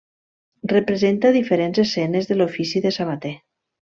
Representa diferents escenes de l'ofici de sabater.